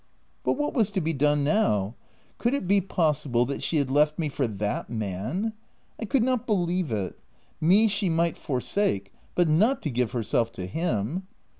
But what was to be done now ? Could it be 282 THE TENANT possible that she had left me for that man ? I could not believe it. Me she might forsake, but wo* to give herself to him